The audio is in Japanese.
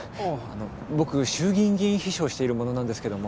あの僕衆議院議員秘書をしている者なんですけども。